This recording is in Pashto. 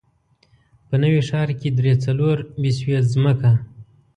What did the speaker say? په نوي ښار کې درې، څلور بسوې ځمکه.